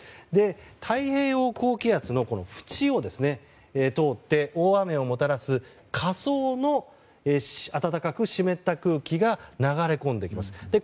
太平洋高気圧の縁を通って大雨をもたらす下層の暖かく湿った空気が流れ込んできます。